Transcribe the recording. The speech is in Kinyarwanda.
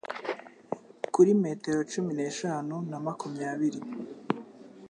kuri metero cumi neshanu na makumyabiri.